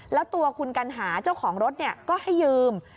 แล้วตัวคุณกัณหาเจ้าของรถก็ให้ยืม